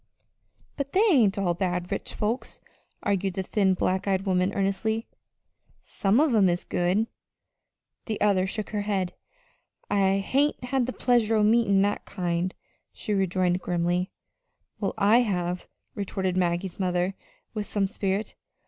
"But they ain't all bad rich folks," argued the thin, black eyed woman, earnestly. "Some of 'em is good." The other shook her head. "I hain't had the pleasure o' meetin' that kind," she rejoined grimly. "Well, I have," retorted Maggie's mother with some spirit.